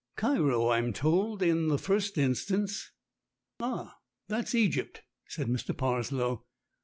"Cairo, I'm told, in the first instance." "Ah, that's Egypt," said Mr. Parslow.